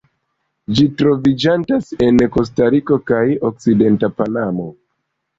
Ĝi troviĝantas en Kostariko kaj okcidenta Panamo.